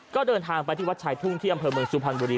ก็เดินทางไปที่วัดชายทุ่งที่อำเภอเมืองสุพรรณบุรี